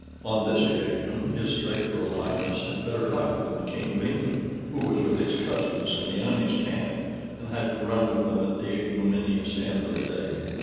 On this occasion his Electoral Highness had better luck than the King of England, who was with his cousins in the enemy's camp, and had to run with them at the ignominious end of the day.